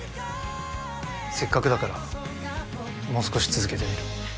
せっかくだからもう少し続けてみる。